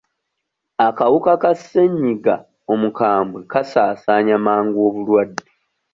Akawuka ka ssennyiga omukwambwe kasaasaanya mangu obulwadde.